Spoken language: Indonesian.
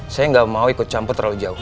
saya nggak mau ikut campur terlalu jauh